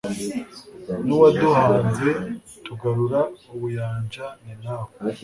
n'uwaduhanze tugarura ubuyanja, ni nawe